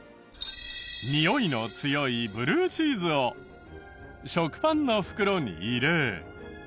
においの強いブルーチーズを食パンの袋に入れ。